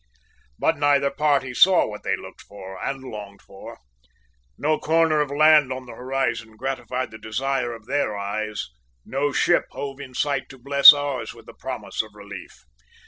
"But neither party saw what they looked out and longed for; no corner of land on the horizon gratified the desire of their eyes, no ship hove in sight to bless ours with the promise of relief!